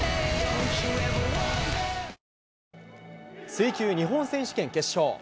水球日本選手権決勝。